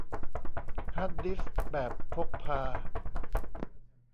ฮาร์ดดิสก์แบบพกพา